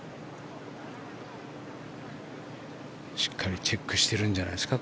しっかりチェックしてるんじゃないんですか。